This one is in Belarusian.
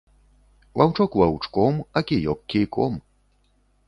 Ваўчок ваўчком, а кіёк кійком.